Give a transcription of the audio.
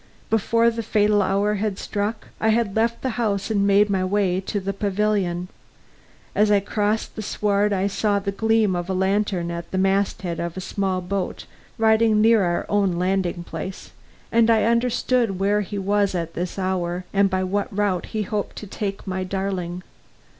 Before the fatal hour had struck, I had left the house and made my way to the pavilion. As I crossed the sward I saw the gleam of a lantern at the masthead of a small boat riding near our own landing place, and I understood where he was at this hour, and by what route he hoped to take my darling.